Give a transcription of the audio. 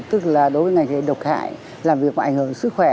tức là đối với ngành nghề độc hại làm việc ngoại hợp sức khỏe